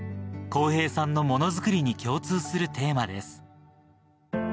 康平さんのものづくりに共通するテーマです。